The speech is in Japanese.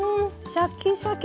シャキシャキ！